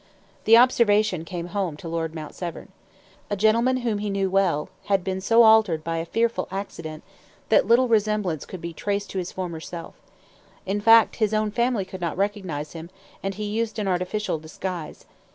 The observation came home to Lord Mount Severn. A gentleman whom he knew well, had been so altered by a fearful accident, that little resemblance could be traced to his former self. In fact, his own family could not recognize him: and he used an artificial disguise.